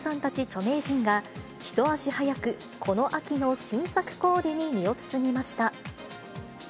著名人が、一足早く、この秋の新作コーデに身を包みました。